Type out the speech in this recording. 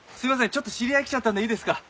ちょっと知り合い来ちゃったんでいいですか？